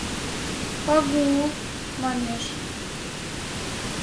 — Пагу-ул, — манеш.